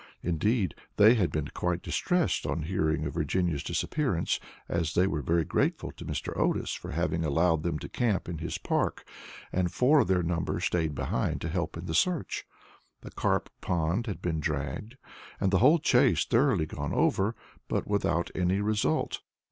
Indeed, they had been quite distressed at hearing of Virginia's disappearance, as they were very grateful to Mr. Otis for having allowed them to camp in his park, and four of their number had stayed behind to help in the search. The carp pond had been dragged, and the whole Chase thoroughly gone over, but without any result.